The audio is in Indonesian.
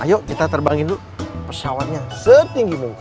ayo kita terbangin dulu pesawatnya setinggi mungkin